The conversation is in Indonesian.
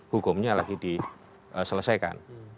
hukumnya lagi diselesaikan